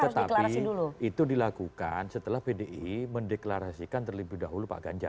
tetapi itu dilakukan setelah pdi mendeklarasikan terlebih dahulu pak ganjar